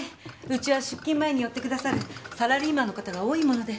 うちは出勤前に寄ってくださるサラリーマンの方が多いもので。